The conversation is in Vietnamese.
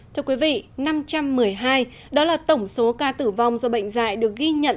thưa quý vị năm trăm một mươi hai đó là tổng số ca tử vong do bệnh dạy được ghi nhận